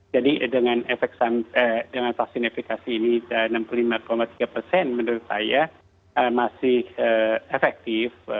jadi dengan vaksin efekasi ini enam puluh lima tiga persen menurut saya masih efektif